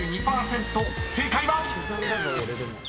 ［正解は⁉］